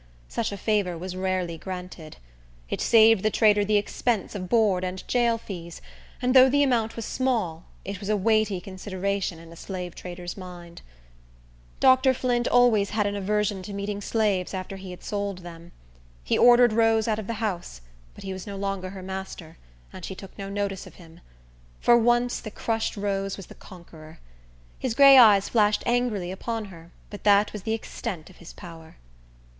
Such a favor was rarely granted. It saved the trader the expense of board and jail fees, and though the amount was small, it was a weighty consideration in a slave trader's mind. Dr. Flint always had an aversion to meeting slaves after he had sold them. He ordered Rose out of the house; but he was no longer her master, and she took no notice of him. For once the crushed Rose was the conqueror. His gray eyes flashed angrily upon her; but that was the extent of his power.